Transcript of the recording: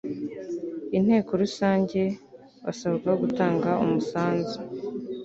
inteko rusange basabwa gutanga umusanzu